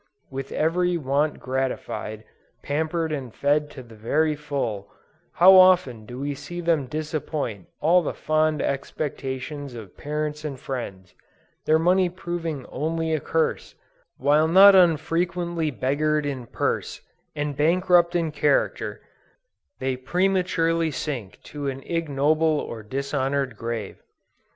With every want gratified, pampered and fed to the very full, how often do we see them disappoint all the fond expectations of parents and friends, their money proving only a curse, while not unfrequently beggared in purse, and bankrupt in character, they prematurely sink to an ignoble or dishonored grave.